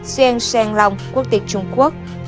xuên xen long quốc tịch trung quốc